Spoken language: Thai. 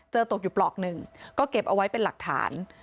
ตกอยู่ปลอกหนึ่งก็เก็บเอาไว้เป็นหลักฐาน